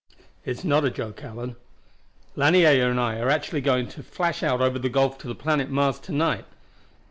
"It is not a joke, Allan. Lanier and I are actually going to flash out over the gulf to the planet Mars to night.